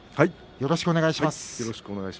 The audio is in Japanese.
よろしくお願いします。